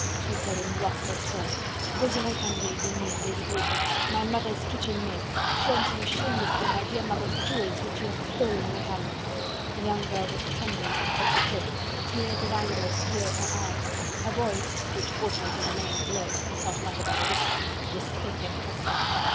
she said in wrathful scorn, "Desiree Candeille, you mean, Lady Blakeney! my mother's kitchen maid, flaunting shamelessly my dear mother's jewels which she has stolen mayhap..." The young girl was trembling from head to foot, tears of anger obscured her eyes; her voice, which fortunately remained low not much above a whisper was thick and husky.